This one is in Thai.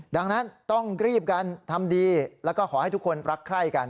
ดังนั้นต้องรีบกันทำดีแล้วก็ขอให้ทุกคนรักใคร่กัน